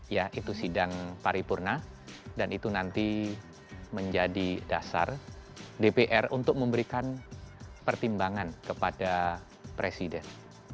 yaitu sidang paripurna dan itu nanti menjadi dasar dpr untuk memberikan pertimbangan kepada presiden